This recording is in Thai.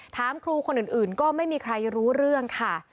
ถามครูคนอื่นก็ไม่มีใครรู้เรื่องค่ะ